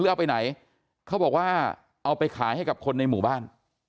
เอาไปไหนเขาบอกว่าเอาไปขายให้กับคนในหมู่บ้าน